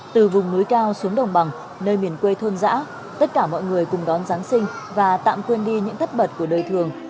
từ vùng núi cao xuống đồng bằng nơi miền quê thôn giã tất cả mọi người cùng đón giáng sinh và tạm quên đi những tất bật của đời thường